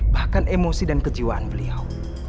bahkan emosi dan kejiwaan beliau